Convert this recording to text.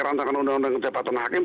rancangan undang undang ketepatan hakim